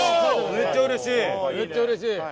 めっちゃうれしい！